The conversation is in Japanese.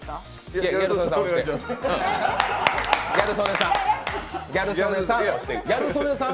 いや、ギャル曽根さん。